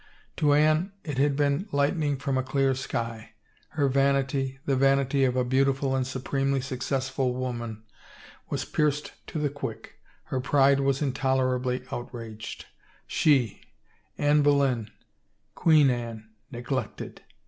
To Anne it had been lightning from a clear sky. Her vanity, the vanity of a beautiful and supremely success ful woman, was pierced to the quick, her pride was in tolerably outraged. She, Anne Boleyn, Queen Anne, neglected!